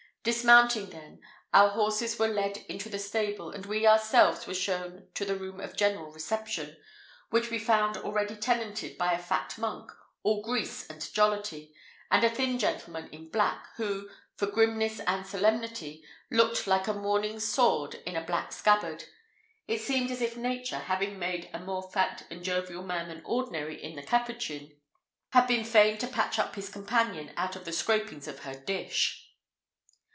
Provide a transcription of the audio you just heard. Dismounting then, our horses were led into the stable, and we ourselves were shown to the room of general reception, which we found already tenanted by a fat monk, all grease and jollity; and a thin gentleman in black, who, for grimness and solemnity, looked like a mourning sword in a black scabbard. It seemed as if nature, having made a more fat and jovial man than ordinary in the capuchin, had been fain to patch up his companion out of the scrapings of her dish.